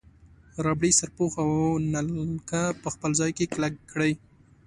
ربړي سرپوښ او نلکه په خپل ځای کې کلک کړئ.